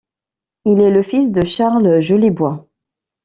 Il est le fils de Charles Jolibois.